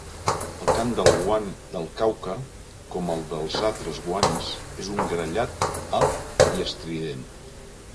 El cant del guan del Cauca, com el de altres guans, és un grallar alt i estrident.